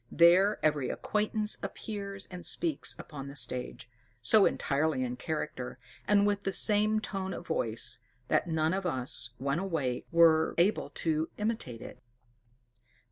There every acquaintance appears and speaks upon the stage, so entirely in character, and with the same tone of voice, that none of us, when awake, were able to imitate it.